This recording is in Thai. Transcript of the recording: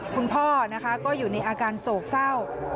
คุณพ่อนะคะก็อยู่ในอาการโศกเศร้า